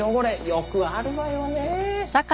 よくあるわよね。